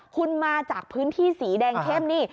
คุณมาจากพื้นที่สีแดงเข้มนี่